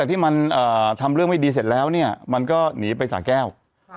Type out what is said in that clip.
ที่มันทำเรื่องไม่ดีเสร็จแล้วเนี่ยมันก็หนีไปสาแก้ว